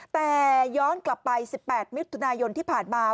แต่ย้อนกลับไป๑๘มิถุนายนที่ผ่านมา